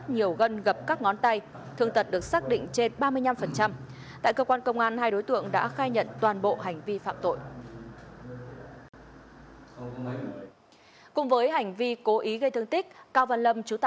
nhiều gốc cây lớn đã được nhổ phơi khô